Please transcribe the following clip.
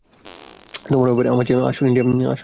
তোমার আমার চেয়ে আসল ইন্ডিয়া ব্যাপারে অনেক ভালো জানো।